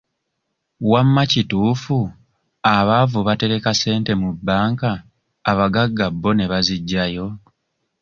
Wamma kituufu abaavu batereka ssente mu banka abagagga bo ne baziggyayo?